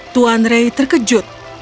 tuan ray terkejut